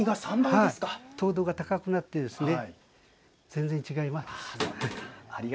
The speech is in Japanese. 糖度が高くなって全然違います。